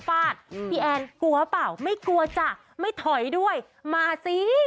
ฟาดพี่แอนกลัวเปล่าไม่กลัวจ้ะไม่ถอยด้วยมาสิ